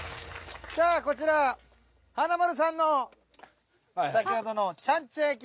さあこちら華丸さんの先ほどのちゃんちゃん焼き。